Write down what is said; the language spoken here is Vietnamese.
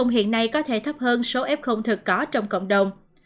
hay thấp hơn số f thực có trong cộng đồng